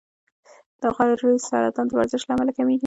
د غاړې سرطان د ورزش له امله کمېږي.